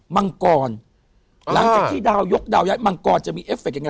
มังกรหลังจากที่ดาวยกดาวย้ายมังกรจะมีเอฟเคยังไง